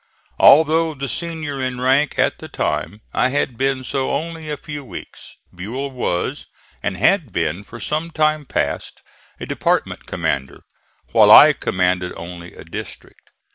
Although the senior in rank at the time I had been so only a few weeks. Buell was, and had been for some time past, a department commander, while I commanded only a district.